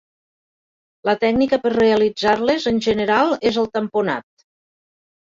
La tècnica per realitzar-les, en general, és el tamponat.